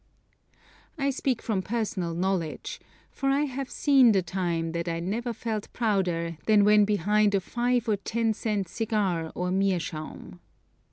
I speak from personal knowledge, for I have seen the time that I never felt prouder than when behind a five or ten cent cigar or meerschaum.